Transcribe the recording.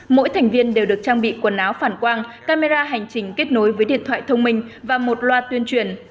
mỗi thành viên đều được trang bị quần áo phản quang camera hành trình kết nối với điện thoại thông minh và một loa tuyên truyền